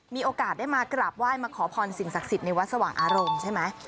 มีโอกาสได้มากราบไหว้มาขอพรสิ่งศักดิ์สิทธิ์ในวัดสว่างอารมณ์ใช่ไหม